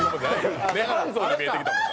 涅槃像に見えてきたもん。